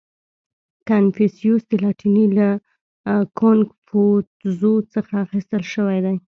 • کنفوسیوس د لاتیني له کونګ فو تزو څخه اخیستل شوی دی.